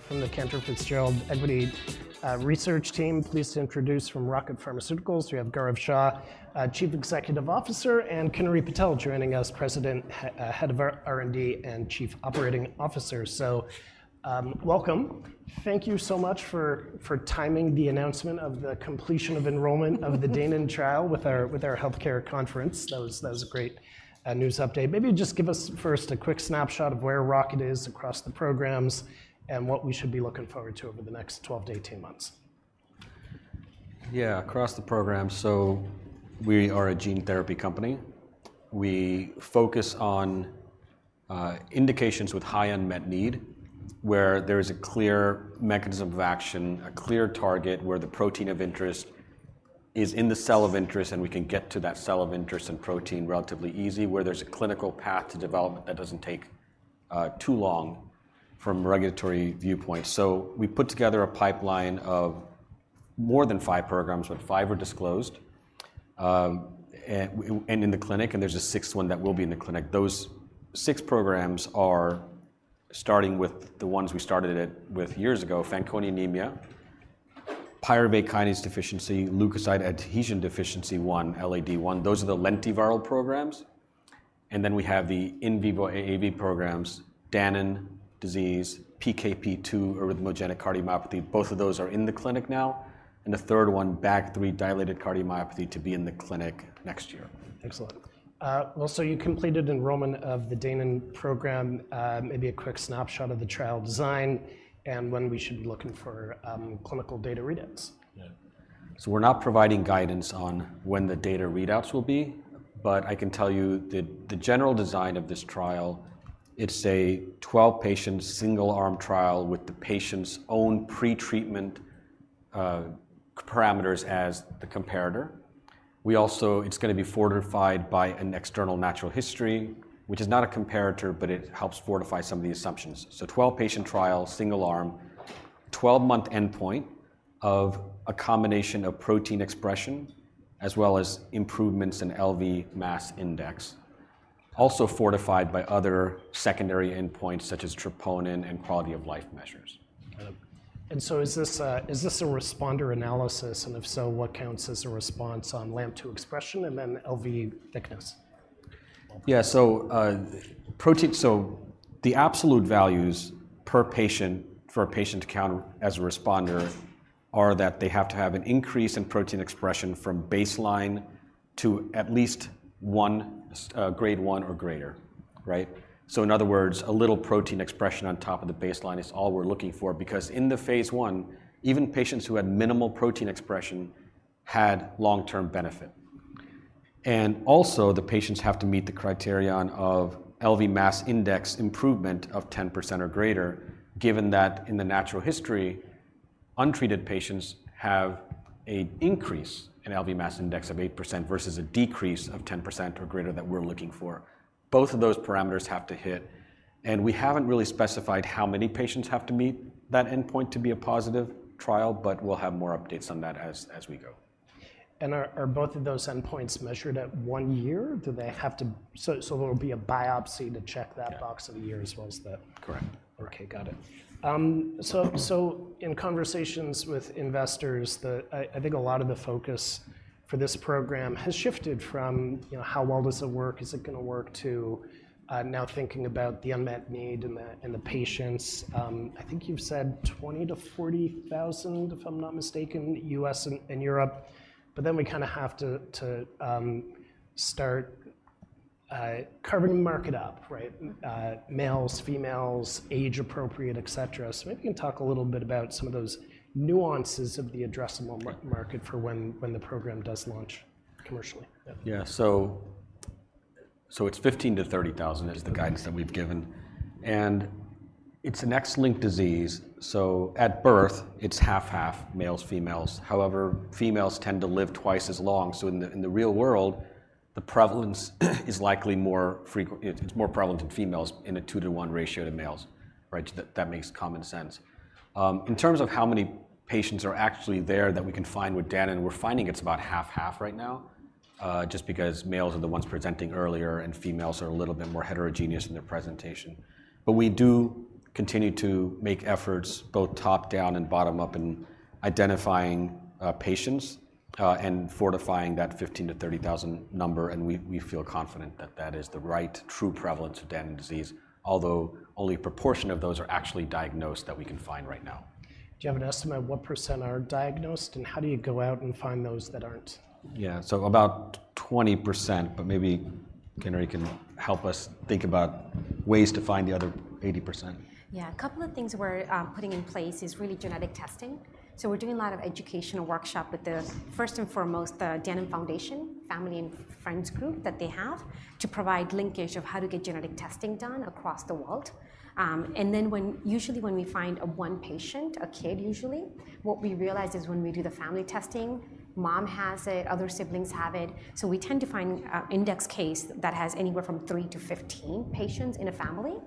From the Cantor Fitzgerald Equity Research Team, pleased to introduce from Rocket Pharmaceuticals, we have Gaurav Shah, Chief Executive Officer, and Kinnari Patel joining us, President, Head of R&D, and Chief Operating Officer. Welcome. Thank you so much for timing the announcement of the completion of enrollment of the Danon trial with our healthcare conference. That was a great news update. Maybe just give us first a quick snapshot of where Rocket is across the programs and what we should be looking forward to over the next 12-18 months. Yeah, across the program, so we are a gene therapy company. We focus on indications with high unmet need, where there is a clear mechanism of action, a clear target, where the protein of interest is in the cell of interest, and we can get to that cell of interest and protein relatively easy, where there's a clinical path to development that doesn't take too long from a regulatory viewpoint. So we put together a pipeline of more than five programs, but five are disclosed and in the clinic, and there's a sixth one that will be in the clinic. Those six programs are starting with the ones we started it with years ago, Fanconi anemia, pyruvate kinase deficiency, leukocyte adhesion deficiency one, LAD-I. Those are the lentiviral programs. And then we have the in vivo AAV programs, Danon disease, PKP2 arrhythmogenic cardiomyopathy, both of those are in the clinic now, and the third one, BAG3 dilated cardiomyopathy, to be in the clinic next year. Excellent. Well, so you completed enrollment of the Danon program, maybe a quick snapshot of the trial design and when we should be looking for clinical data readouts. Yeah. So we're not providing guidance on when the data readouts will be, but I can tell you the general design of this trial. It's a twelve-patient, single-arm trial with the patient's own pretreatment parameters as the comparator. We also. It's gonna be fortified by an external natural history, which is not a comparator, but it helps fortify some of the assumptions. So twelve-patient trial, single arm, twelve-month endpoint of a combination of protein expression, as well as improvements in LV mass index, also fortified by other secondary endpoints, such as troponin and quality-of-life measures. Got it. And so is this a responder analysis, and if so, what counts as a response on LAMP-2 expression and then LV thickness? Yeah, so, the absolute values per patient for a patient to count as a responder are that they have to have an increase in protein expression from baseline to at least one, grade one or greater, right? So in other words, a little protein expression on top of the baseline is all we're looking for, because in the Phase I, even patients who had minimal protein expression had long-term benefit. And also, the patients have to meet the criterion of LV mass index improvement of 10% or greater, given that in the natural history, untreated patients have an increase in LV mass index of 8% versus a decrease of 10% or greater that we're looking for. Both of those parameters have to hit, and we haven't really specified how many patients have to meet that endpoint to be a positive trial, but we'll have more updates on that as we go. Are both of those endpoints measured at one year? Do they have to... So there'll be a biopsy to check that box in a year as well as the- Correct. Okay, got it. So, so in conversations with investors, I think a lot of the focus for this program has shifted from, you know, how well does it work, is it gonna work, to now thinking about the unmet need and the patients. I think you've said 20,000 to 40,000, if I'm not mistaken, US and Europe, but then we kinda have to start carving the market up, right? Mm. Males, females, age appropriate, etcetera. So maybe you can talk a little bit about some of those nuances of the addressable market for when the program does launch commercially. Yeah. So it's 15-30 thousand- Okay... is the guidance that we've given, and it's an X-linked disease, so at birth, it's half/half males, females. However, females tend to live twice as long. So in the real world, the prevalence is likely more frequent. It's more prevalent in females in a two to one ratio to males, right? So that makes common sense. In terms of how many patients are actually there that we can find with Danon, we're finding it's about half/half right now, just because males are the ones presenting earlier, and females are a little bit more heterogeneous in their presentation. But we do continue to make efforts, both top-down and bottom-up, in identifying patients and fortifying that 15-30 thousand number, and we feel confident that that is the right true prevalence of Danon disease, although only a proportion of those are actually diagnosed that we can find right now. Do you have an estimate of what % are diagnosed, and how do you go out and find those that aren't? Yeah, so about 20%, but maybe Kinnari can help us think about ways to find the other 80%. Yeah, a couple of things we're putting in place is really genetic testing. So we're doing a lot of educational workshop with the, first and foremost, the Danon Foundation, family and friends group that they have, to provide linkage of how to get genetic testing done across the world. Usually, when we find an index patient, a kid usually, what we realize is when we do the family testing, mom has it, other siblings have it, so we tend to find index case that has anywhere from three to 15 patients in a family.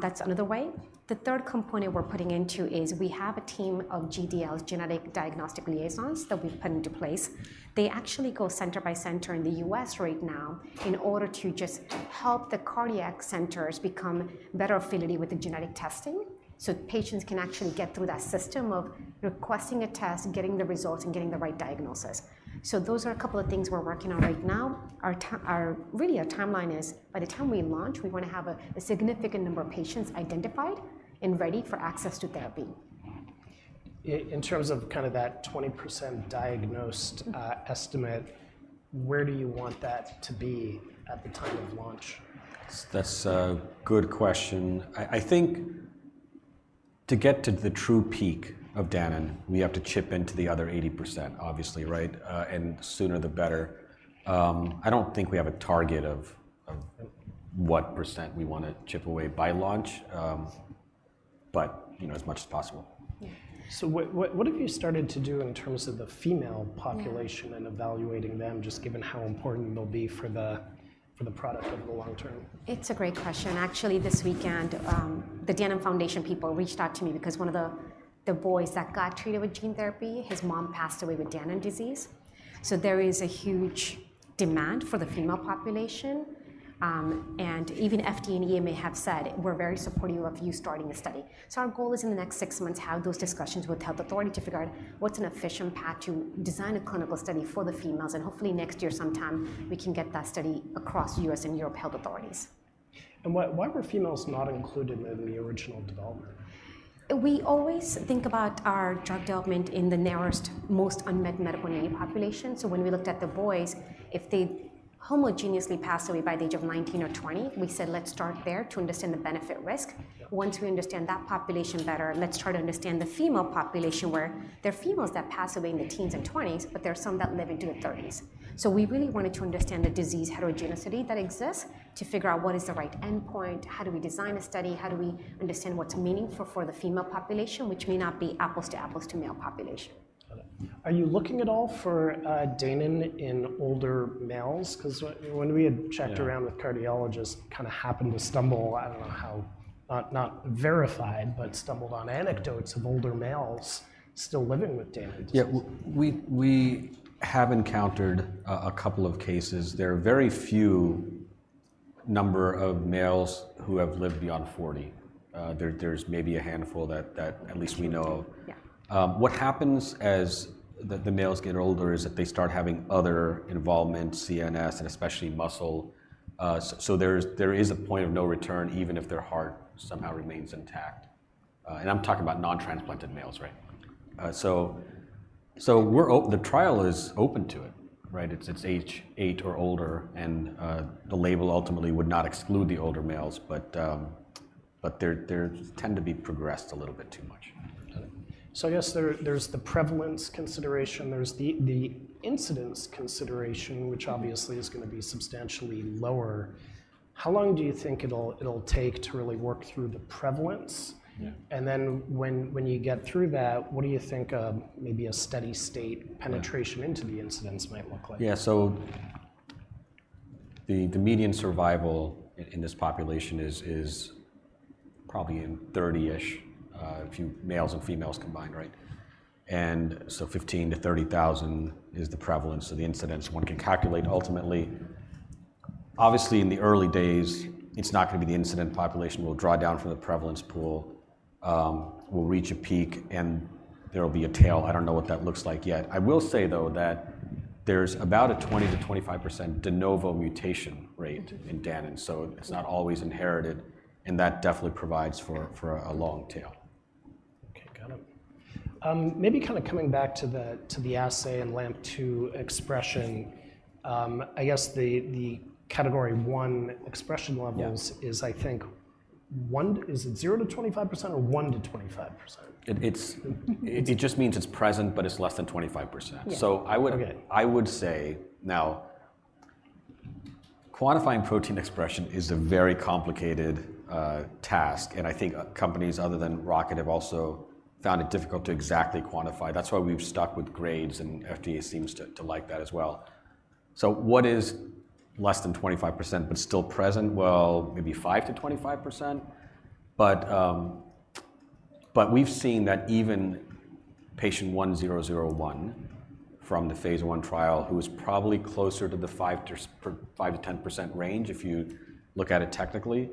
That's another way. The third component we're putting into is we have a team of GDLs, Genetic Diagnostic Liaisons, that we've put into place. They actually go center by center in the U.S. right now in order to just help the cardiac centers become better affinity with the genetic testing, so patients can actually get through that system of requesting a test, getting the results, and getting the right diagnosis. So those are a couple of things we're working on right now. Our timeline is, really, by the time we launch, we wanna have a significant number of patients identified and ready for access to therapy.... In terms of kind of that 20% diagnosed, estimate, where do you want that to be at the time of launch? That's a good question. I think to get to the true peak of Danon, we have to chip into the other 80%, obviously, right? And the sooner, the better. I don't think we have a target of what % we want to chip away by launch, but, you know, as much as possible. Yeah. So what have you started to do in terms of the female population? Yeah - and evaluating them, just given how important they'll be for the, for the product over the long term? It's a great question. Actually, this weekend, the Danon Foundation people reached out to me because one of the boys that got treated with gene therapy, his mom passed away with Danon disease. So there is a huge demand for the female population. And even FDA and EMA have said, "We're very supportive of you starting a study." So our goal is in the next six months, have those discussions with health authority to figure out what's an efficient path to design a clinical study for the females, and hopefully next year sometime, we can get that study across US and Europe health authorities. Why, why were females not included in the original development? We always think about our drug development in the narrowest, most unmet medical need population. So when we looked at the boys, if they homogeneously passed away by the age of nineteen or twenty, we said, "Let's start there to understand the benefit risk. Yeah. Once we understand that population better, let's try to understand the female population, where there are females that pass away in their teens and twenties, but there are some that live into their thirties. So we really wanted to understand the disease heterogeneity that exists, to figure out what is the right endpoint, how do we design a study, how do we understand what's meaningful for the female population, which may not be apples to apples to male population? Got it. Are you looking at all for Danon in older males? 'Cause when we had- Yeah... checked around with cardiologists, kind of happened to stumble, I don't know how, not, not verified, but stumbled on anecdotes of older males still living with Danon disease. Yeah. We have encountered a couple of cases. There are very few number of males who have lived beyond forty. There's maybe a handful that at least we know. Yeah. What happens as the males get older is that they start having other involvement, CNS and especially muscle. So there is a point of no return, even if their heart somehow remains intact, and I'm talking about non-transplanted males, right? So the trial is open to it, right? It's age eight or older, and the label ultimately would not exclude the older males, but they tend to be progressed a little bit too much. Got it. So I guess there, there's the prevalence consideration, there's the incidence consideration, which obviously is gonna be substantially lower. How long do you think it'll take to really work through the prevalence? Yeah. When you get through that, what do you think of maybe a steady state? Yeah... penetration into the incidence might look like? Yeah, so the median survival in this population is probably in thirty-ish, males and females combined, right? And so 15 to 30 thousand is the prevalence of the incidence one can calculate ultimately. Obviously, in the early days, it's not gonna be the incident population. We'll draw down from the prevalence pool, we'll reach a peak, and there will be a tail. I don't know what that looks like yet. I will say, though, that there's about a 20-25% de novo mutation rate in Danon, so it's not always inherited, and that definitely provides for a long tail. Okay, got it. Maybe kind of coming back to the assay and LAMP-2 expression. I guess the category one expression levels- Yeah... is, I think, is it 0% to 25% or 1% to 25%? It just means it's present, but it's less than 25%. Yeah. So I would- Okay... I would say now, quantifying protein expression is a very complicated task, and I think companies other than Rocket have also found it difficult to exactly quantify. That's why we've stuck with grades, and FDA seems to like that as well. So what is less than 25%, but still present? Well, maybe 5%-25%, but we've seen that even patient 1001 from the phase 1 trial, who was probably closer to the 5%-10% range, if you look at it technically,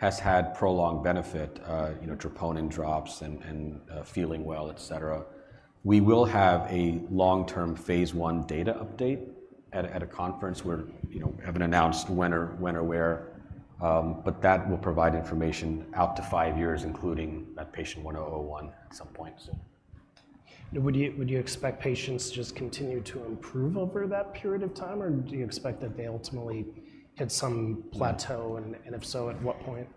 has had prolonged benefit, you know, troponin drops and feeling well, et cetera. We will have a long-term phase 1 data update at a conference where, you know, haven't announced when or where, but that will provide information out to five years, including that patient 101 at some point, so. Would you expect patients to just continue to improve over that period of time, or do you expect that they ultimately hit some plateau? Yeah. If so, at what point?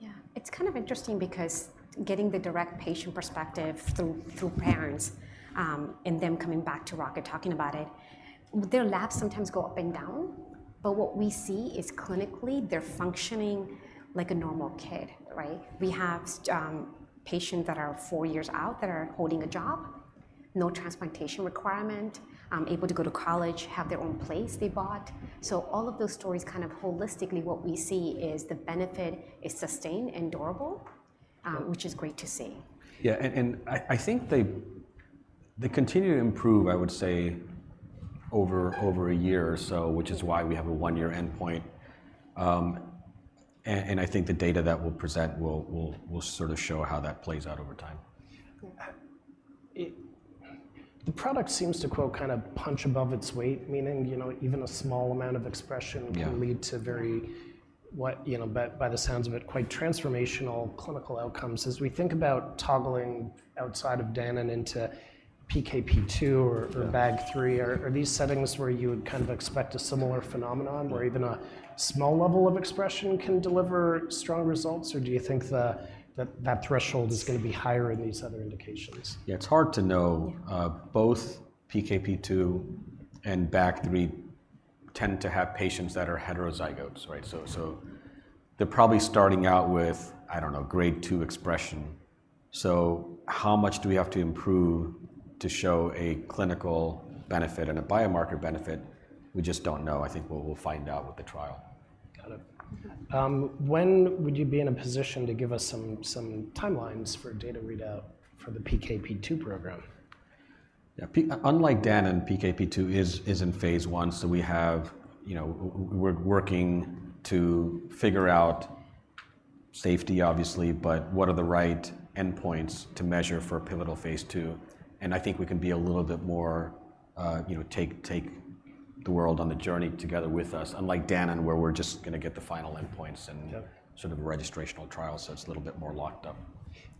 Yeah. It's kind of interesting because getting the direct patient perspective through parents, and them coming back to Rocket, talking about it, their labs sometimes go up and down, but what we see is clinically, they're functioning like a normal kid, right? We have patient that are four years out, that are holding a job, no transplantation requirement, able to go to college, have their own place they bought. So all of those stories, kind of holistically what we see is the benefit is sustained and durable- Yeah... which is great to see. Yeah, and I think they continue to improve, I would say, over a year or so, which is why we have a one-year endpoint. And I think the data that we'll present will sort of show how that plays out over time. Yeah. It-... The product seems to, quote, kind of punch above its weight, meaning, you know, even a small amount of expression- Yeah. -can lead to very, you know, by the sounds of it, quite transformational clinical outcomes. As we think about toggling outside of Danon and into PKP2 or- Yeah... or BAG3, are these settings where you would kind of expect a similar phenomenon? Yeah... where even a small level of expression can deliver strong results? Or do you think that threshold is gonna be higher in these other indications? Yeah, it's hard to know. Yeah. Both PKP2 and BAG3 tend to have patients that are heterozygotes, right? So they're probably starting out with, I don't know, grade two expression. So how much do we have to improve to show a clinical benefit and a biomarker benefit? We just don't know. I think we'll find out with the trial. Got it. Okay. When would you be in a position to give us some timelines for data readout for the PKP2 program? Yeah. Unlike Danon, PKP2 is in Phase I, so we have, you know, we're working to figure out safety, obviously, but what are the right endpoints to measure for a pivotal Phase II? And I think we can be a little bit more, you know, take the world on the journey together with us, unlike Danon, where we're just gonna get the final endpoints and- Yeah... sort of a registrational trial, so it's a little bit more locked up.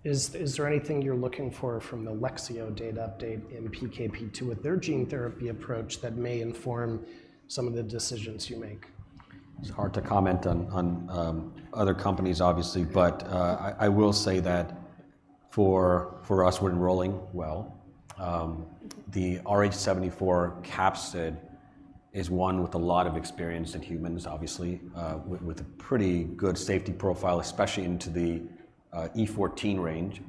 Is there anything you're looking for from the Lexeo data update in PKP2 with their gene therapy approach that may inform some of the decisions you make? It's hard to comment on other companies, obviously. Yeah. But I will say that for us, we're enrolling well. The rh74 capsid is one with a lot of experience in humans, obviously, with a pretty good safety profile, especially into the E14 range.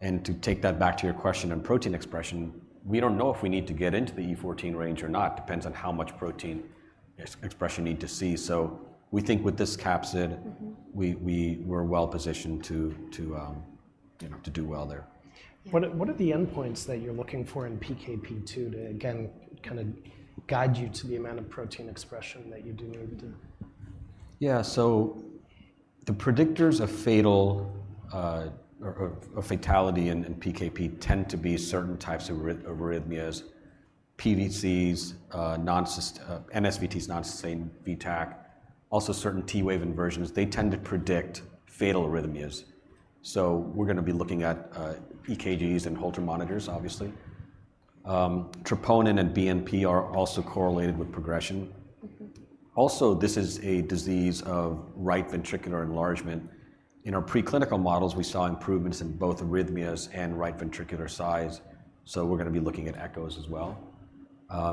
And to take that back to your question on protein expression, we don't know if we need to get into the E14 range or not. Depends on how much protein expression you need to see. So we think with this capsid- Mm-hmm... we're well positioned, you know, to do well there. Yeah. What are the endpoints that you're looking for in PKP2 to, again, kind of guide you to the amount of protein expression that you do need to? Yeah. So the predictors of fatal, or fatality in PKP tend to be certain types of arrhythmias, PVCs, NSVT, non-sustained VTach, also certain T-wave inversions. They tend to predict fatal arrhythmias, so we're gonna be looking at EKGs and Holter monitors, obviously. Troponin and BNP are also correlated with progression. Mm-hmm. Also, this is a disease of right ventricular enlargement. In our preclinical models, we saw improvements in both arrhythmias and right ventricular size, so we're gonna be looking at echoes as well.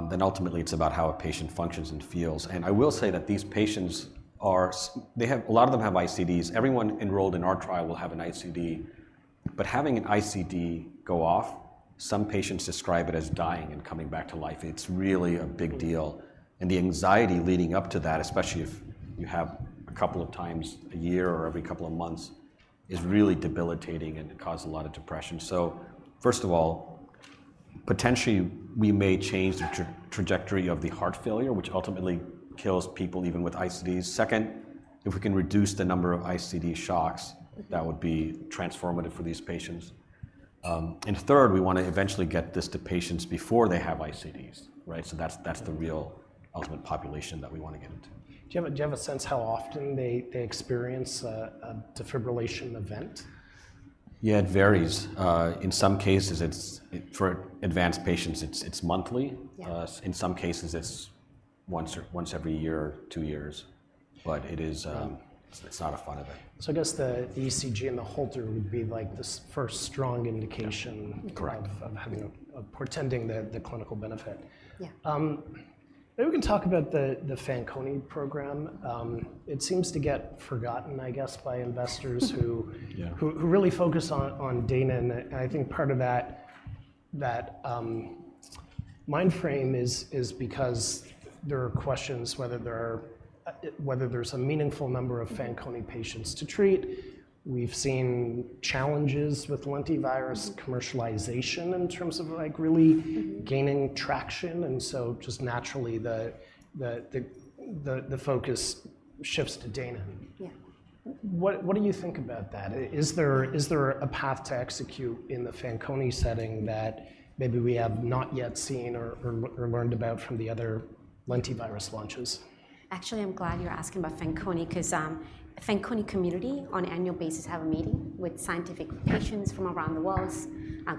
Then ultimately, it's about how a patient functions and feels. I will say that these patients, they have a lot of them have ICDs. Everyone enrolled in our trial will have an ICD, but having an ICD go off, some patients describe it as dying and coming back to life. It's really a big deal, and the anxiety leading up to that, especially if you have a couple of times a year or every couple of months, is really debilitating and can cause a lot of depression. So first of all, potentially, we may change the trajectory of the heart failure, which ultimately kills people even with ICDs. Second, if we can reduce the number of ICD shocks, that would be transformative for these patients. And third, we wanna eventually get this to patients before they have ICDs, right? So that's the real ultimate population that we wanna get it to. Do you have a sense how often they experience a defibrillation event? Yeah, it varies. In some cases, it's for advanced patients, it's monthly. Yeah. In some cases, it's once or every year or two years, but it is. Yeah... it's not a fun event. So I guess the ECG and the Holter would be, like, the first strong indication- Yeah. Mm-hmm... correct of portending the clinical benefit. Yeah. Maybe we can talk about the Fanconi program. It seems to get forgotten, I guess, by investors. Yeah... who really focus on Danon, and I think part of that mind frame is because there are questions whether there is a meaningful number of Fanconi patients to treat. We've seen challenges with lentivirus- Mm-hmm... commercialization in terms of, like, really- Mm-hmm... gaining traction, and so just naturally, the focus shifts to Danon. Yeah. What do you think about that? Is there a path to execute in the Fanconi setting that maybe we have not yet seen or learned about from the other lentivirus launches? Actually, I'm glad you're asking about Fanconi, 'cause Fanconi community, on annual basis, have a meeting with scientists, patients from around the world,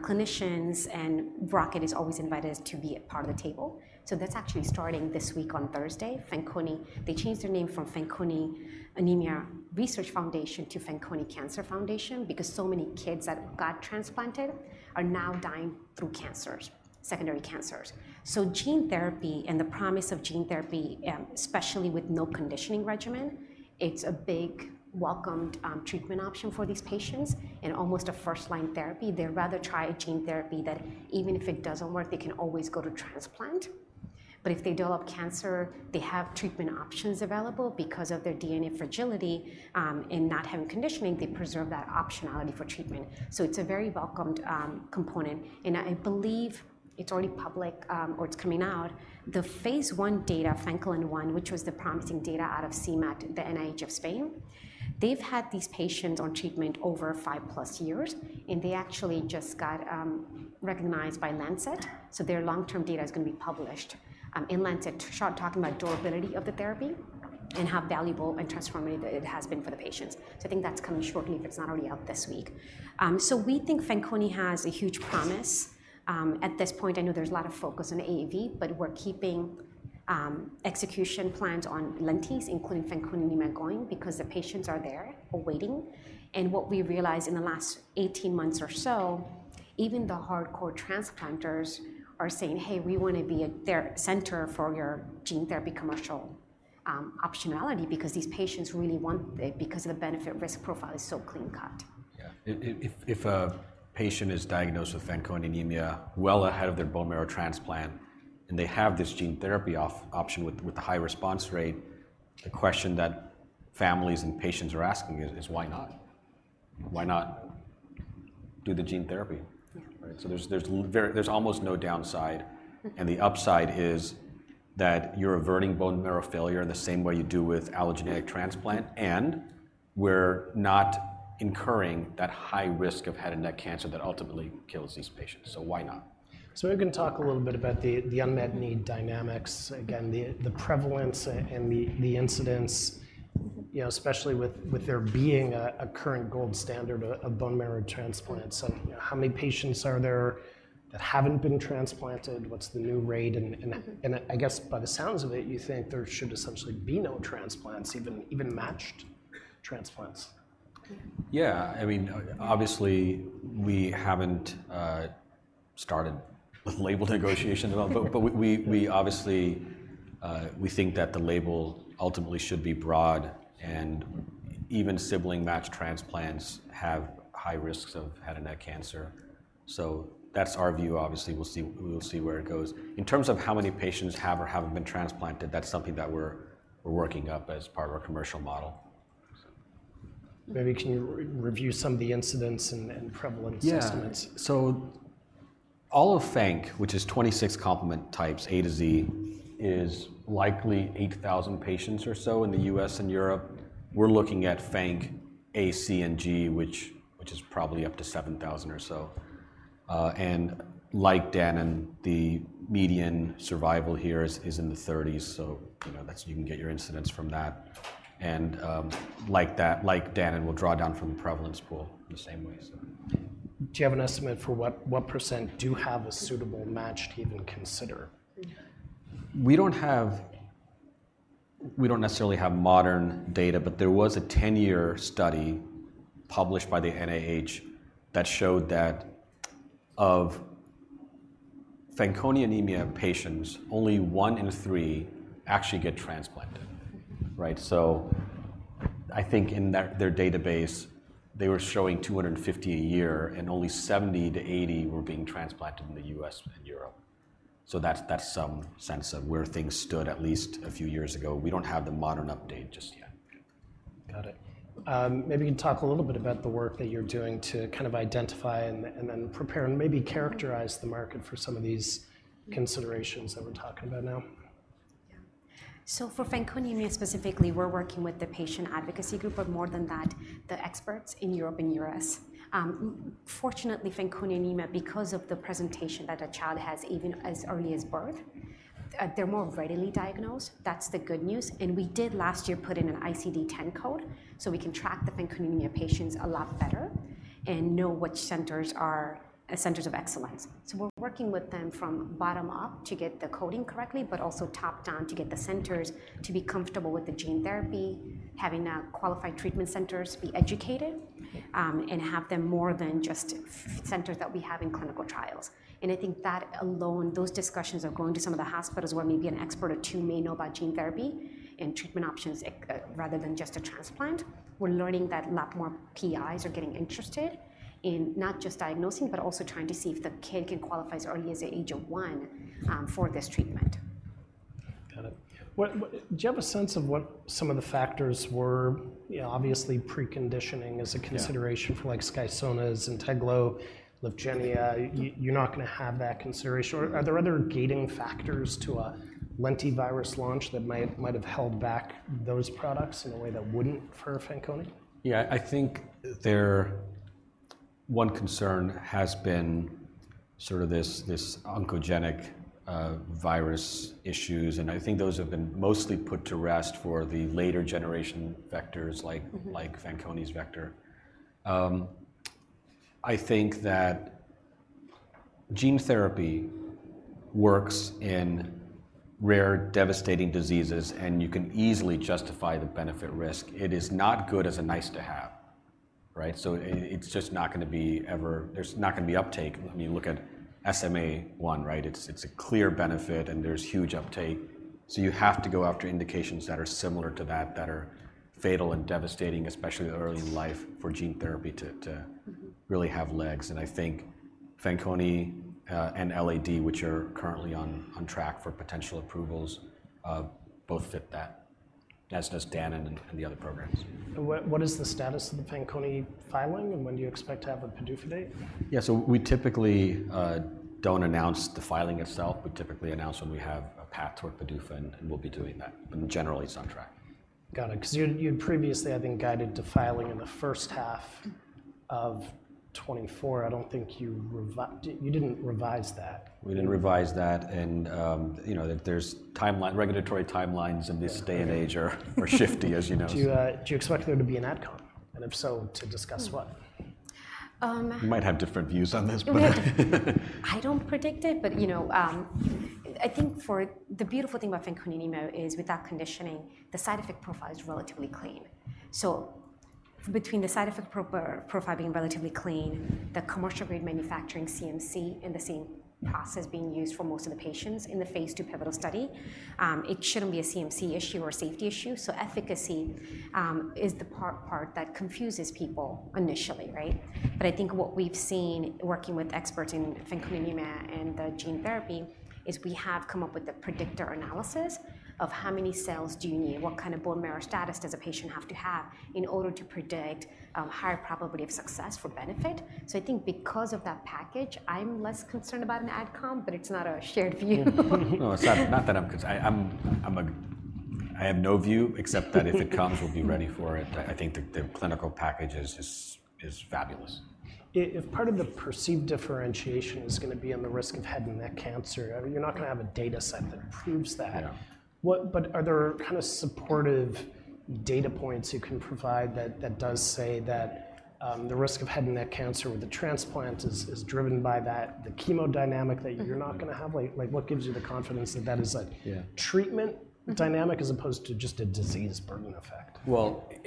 clinicians, and Rocket is always invited to be a part of the table, so that's actually starting this week on Thursday. Fanconi, they changed their name from Fanconi Anemia Research Foundation to Fanconi Cancer Foundation because so many kids that got transplanted are now dying through cancers, secondary cancers, so gene therapy and the promise of gene therapy, especially with no conditioning regimen, it's a big, welcomed treatment option for these patients and almost a first-line therapy. They'd rather try a gene therapy that, even if it doesn't work, they can always go to transplant, but if they develop cancer, they have treatment options available because of their DNA fragility, and not having conditioning, they preserve that optionality for treatment. So it's a very welcomed component, and I believe it's already public, or it's coming out. The Phase I data, Fanconi one, which was the promising data out of CIEMAT, the NIH of Spain, they've had these patients on treatment over five plus years, and they actually just got recognized by Lancet. So their long-term data is gonna be published in Lancet, talking about durability of the therapy and how valuable and transformative it has been for the patients. So I think that's coming shortly, if it's not already out this week. So we think Fanconi has a huge promise. At this point, I know there's a lot of focus on AAV, but we're keeping execution plans on lentiviral, including Fanconi anemia, going because the patients are there, waiting. And what we realized in the last eighteen months or so, even the hardcore transplanters are saying, "Hey, we wanna be a center for your gene therapy commercial optionality," because these patients really want it because the benefit-risk profile is so clean cut. Yeah. If a patient is diagnosed with Fanconi anemia well ahead of their bone marrow transplant, and they have this gene therapy off-the-shelf option with the high response rate, the question that families and patients are asking is, "Why not? Why not do the gene therapy? Yeah. Right? So there's almost no downside, and the upside is that you're averting bone marrow failure the same way you do with allogeneic transplant, and we're not incurring that high risk of head and neck cancer that ultimately kills these patients. So why not? So we can talk a little bit about the unmet need dynamics, again, the prevalence and the incidence, you know, especially with there being a current gold standard of bone marrow transplants. How many patients are there that haven't been transplanted? What's the new rate? And I guess by the sounds of it, you think there should essentially be no transplants, even matched transplants. Yeah. I mean, obviously, we haven't started with label negotiations at all, but we obviously think that the label ultimately should be broad, and even sibling match transplants have high risks of head and neck cancer. So that's our view. Obviously, we'll see where it goes. In terms of how many patients have or haven't been transplanted, that's something that we're working up as part of our commercial model. Maybe can you review some of the incidence and prevalence estimates? Yeah. So all of FANC, which is 26 complement types, A to Z, is likely 8,000 patients or so in the US and Europe. We're looking at FANC A, C, and G, which is probably up to 7,000 or so. Like Danon, the median survival here is in the thirties, so you know, that's... you can get your incidence from that. Like Danon, we'll draw down from the prevalence pool in the same way, so. Do you have an estimate for what percent do have a suitable match to even consider? We don't necessarily have modern data, but there was a 10-year study published by the NIH that showed that of Fanconi anemia patients, only one in three actually get transplanted, right? So I think in their database, they were showing 250 a year, and only 70-80 were being transplanted in the U.S. and Europe. So that's some sense of where things stood at least a few years ago. We don't have the modern update just yet. Got it. Maybe you can talk a little bit about the work that you're doing to kind of identify and then prepare and maybe characterize the market for some of these considerations that we're talking about now. Yeah. So, for Fanconi anemia specifically, we're working with the patient advocacy group, but more than that, the experts in Europe and U.S. Fortunately, Fanconi anemia, because of the presentation that a child has even as early as birth, they're more readily diagnosed. That's the good news, and we did last year put in an ICD-10 code, so we can track the Fanconi anemia patients a lot better and know which centers are centers of excellence. So, we're working with them from bottom up to get the coding correctly, but also top down to get the centers to be comfortable with the gene therapy, having a qualified treatment centers be educated, and have them more than just centers that we have in clinical trials. I think that alone, those discussions are going to some of the hospitals where maybe an expert or two may know about gene therapy and treatment options, rather than just a transplant. We're learning that a lot more PIs are getting interested in not just diagnosing, but also trying to see if the kid can qualify as early as the age of one for this treatment. Got it. What... Do you have a sense of what some of the factors were? You know, obviously, preconditioning is a- Yeah... consideration for, like, Skysona, Zynteglo, Lyfgenia. You're not gonna have that consideration, or are there other gating factors to a lentivirus launch that might have held back those products in a way that wouldn't for Fanconi? Yeah, I think their one concern has been sort of this oncogenic virus issues, and I think those have been mostly put to rest for the later generation vectors like- Mm-hmm... like Fanconi's vector. I think that gene therapy works in rare, devastating diseases, and you can easily justify the benefit-risk. It is not good as a nice-to-have, right? So it's just not gonna be ever. There's not gonna be uptake. I mean, look at SMA one, right? It's a clear benefit, and there's huge uptake. So you have to go after indications that are similar to that, that are fatal and devastating, especially early in life, for gene therapy to. Mm-hmm. Really have legs. I think Fanconi and LAD, which are currently on track for potential approvals, both fit that, as does Danon and the other programs. What is the status of the Fanconi filing, and when do you expect to have a PDUFA date? Yeah, so we typically don't announce the filing itself. We typically announce when we have a path toward PDUFA, and we'll be doing that, and generally it's on track. Got it. 'Cause you had previously, I think, guided to filing in the first half of 2024. I don't think you revised that. We didn't revise that, and, you know, there's timeline, regulatory timelines in this day- Yeah. and age are shifty, as you know. Do you, do you expect there to be an ad com, and if so, to discuss what? Mm. Um- We might have different views on this, but... I don't predict it, but, you know, I think the beautiful thing about Fanconi anemia is, without conditioning, the side effect profile is relatively clean. So between the side effect profile being relatively clean, the commercial grade manufacturing CMC in the same process being used for most of the patients in the Phase II pivotal study, it shouldn't be a CMC issue or a safety issue. So efficacy is the part that confuses people initially, right? But I think what we've seen, working with experts in Fanconi anemia and the gene therapy, is we have come up with a predictor analysis of how many cells do you need, what kind of bone marrow status does a patient have to have in order to predict, higher probability of success for benefit? So I think because of that package, I'm less concerned about an ad com, but it's not a shared view. No, it's not, not that I'm concerned. I have no view except that if it comes, we'll be ready for it. I think the clinical package is fabulous. If part of the perceived differentiation is gonna be on the risk of head and neck cancer, I mean, you're not gonna have a data set that proves that. Yeah. But are there kind of supportive data points you can provide that does say that the risk of head and neck cancer with a transplant is driven by that, the chemo dynamic that you're not gonna have? Mm-hmm. Like, what gives you the confidence that that is a- Yeah... treatment dynamic as opposed to just a disease burden effect?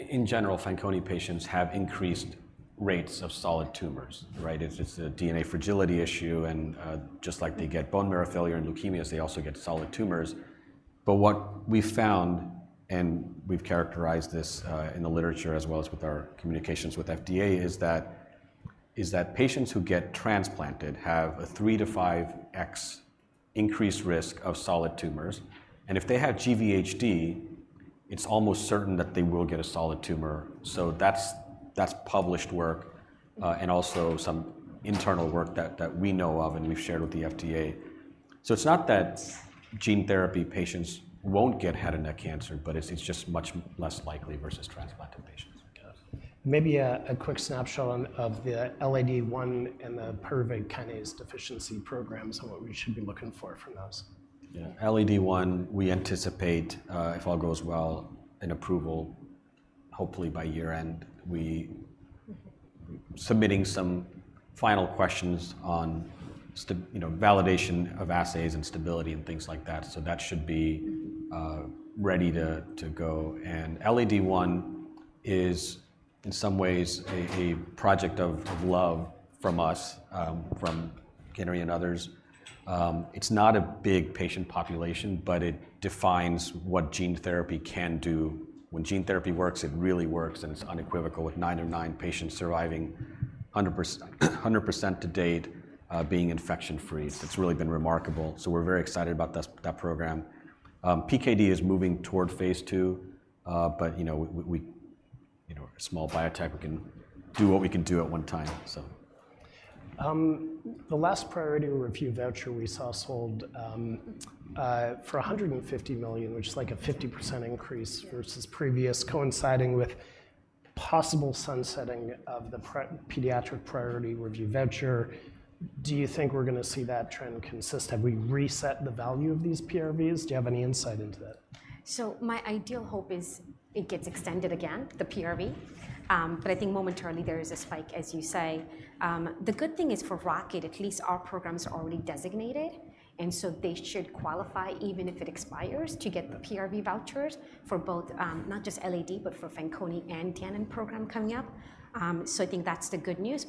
In general, Fanconi patients have increased rates of solid tumors, right? It's a DNA fragility issue, and just like they get bone marrow failure and leukemias, they also get solid tumors. But what we found, and we've characterized this in the literature as well as with our communications with FDA, is that patients who get transplanted have a three- to five X increased risk of solid tumors, and if they have GVHD, it's almost certain that they will get a solid tumor. So that's published work, and also some internal work that we know of and we've shared with the FDA. So it's not that gene therapy patients won't get head and neck cancer, but it's just much less likely versus transplanted patients, I guess. Maybe a quick snapshot of the LAD-I and the pyruvate kinase deficiency programs, and what we should be looking for from those. Yeah. LAD-I, we anticipate, if all goes well, an approval hopefully by year-end. We- Mm-hmm... submitting some final questions on, you know, validation of assays and stability and things like that, so that should be- Mm-hmm... ready to go. And LAD-I is, in some ways, a project of love from us, from Kinnari and others. It's not a big patient population, but it defines what gene therapy can do. When gene therapy works, it really works, and it's unequivocal, with nine of nine patients surviving 100%, 100% to date, being infection-free. It's really been remarkable, so we're very excited about this, that program. PKD is moving toward Phase II, but, you know, we, you know, we're a small biotech. We can do what we can do at one time, so. The last priority review voucher we saw sold for $150 million, which is, like, a 50% increase. Yeah... versus previous, coinciding with possible sunsetting of the pediatric priority review voucher. Do you think we're gonna see that trend consist? Have we reset the value of these PRVs? Do you have any insight into that? So my ideal hope is it gets extended again, the PRV, but I think momentarily there is a spike, as you say. The good thing is for Rocket, at least our programs are already designated, and so they should qualify, even if it expires, to get the PRV vouchers for both, not just LAD, but for Fanconi and Danon program coming up. So I think that's the good news,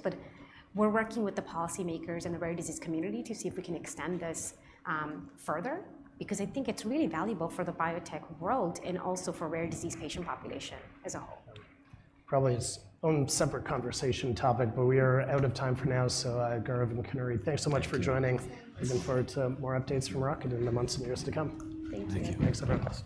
but we're working with the policymakers and the rare disease community to see if we can extend this, further, because I think it's really valuable for the biotech world and also for rare disease patient population as a whole. Probably its own separate conversation topic, but we are out of time for now. So, Gaurav and Kinnari, thanks so much for joining. Thank you. Thanks. Looking forward to more updates from Rocket in the months and years to come. Thank you. Thank you. Thanks, everyone.